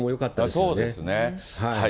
そうですよね。